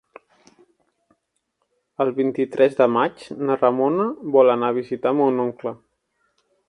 El vint-i-tres de maig na Ramona vol anar a visitar mon oncle.